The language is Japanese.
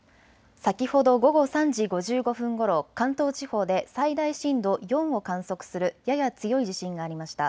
先ほど午後３時５５分ごろ、関東地方で最大震度４を観測するやや強い地震がありました。